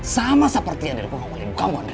sama seperti yang dikurang oleh ibu kamu andri